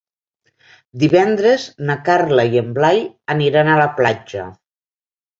Divendres na Carla i en Blai aniran a la platja.